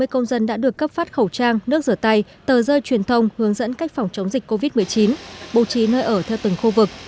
ba mươi công dân đã được cấp phát khẩu trang nước rửa tay tờ rơi truyền thông hướng dẫn cách phòng chống dịch covid một mươi chín bộ trí nơi ở theo từng khu vực